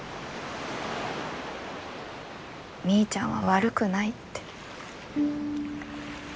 みーちゃんは悪くないって。